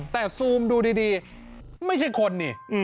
แต่ซูมดูดีไม่ใช่คนนี่